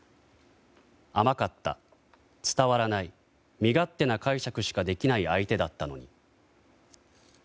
甘かった、伝わらない身勝手な解釈しかできない相手だったのに。